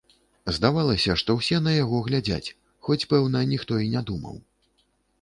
Здавалася, што ўсе на яго глядзяць, хоць, пэўна, ніхто і не думаў.